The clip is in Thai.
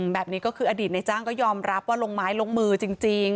แบบนี้ก็คืออดีตในจ้างก็ยอมรับว่าลงไม้ลงมือจริง